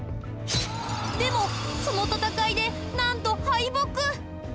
でもその戦いでなんと敗北！